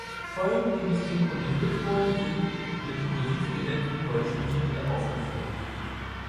Folgen, die nicht synchronisiert wurden, sind mit kursiv gesetztem deutschen Titel aufgeführt.